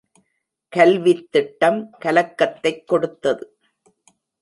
கல்வித் திட்டம் கலக்கத்தைக் கொடுத்தது.